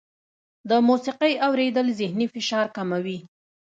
د موسیقۍ اورېدل ذهني فشار کموي.